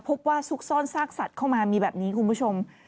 ซุกซ่อนซากสัตว์เข้ามามีแบบนี้คุณผู้ชม